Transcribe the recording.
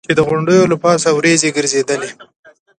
چې د غونډیو له پاسه یې ورېځې ګرځېدې.